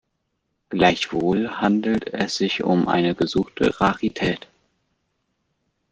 Gleichwohl handelt es sich um eine gesuchte Rarität.